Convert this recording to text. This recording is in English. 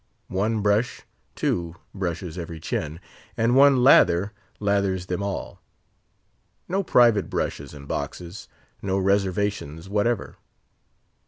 One brush, too, brushes every chin, and one lather lathers them all. No private brushes and boxes; no reservations whatever.